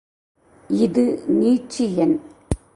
இது நீட்சி எண்.